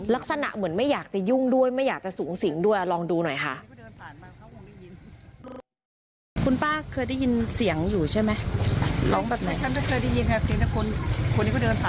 ลักษณะเหมือนไม่อยากจะยุ่งด้วยไม่อยากจะสูงสิงด้วยลองดูหน่อยค่ะ